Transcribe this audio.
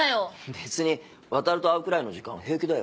別に渉と会うくらいの時間平気だよ。